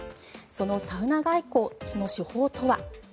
サウナ外交、その手法とは。